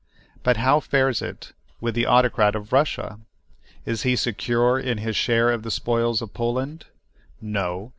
But how fares it with the autocrat of Russia? Is he secure in his share of the spoils of Poland? No.